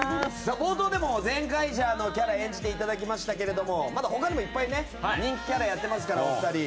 冒頭でも「ゼンカイジャー」のキャラを演じていただきましたがまだ他にもいっぱい人気キャラやってますから、２人は。